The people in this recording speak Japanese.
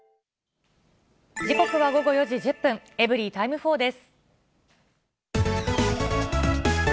時刻は午後４時１０分、エブリィタイム４です。